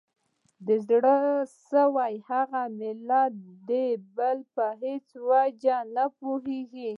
د زړه سوي هغه ملت دی بل په هیڅ چي نه پوهیږي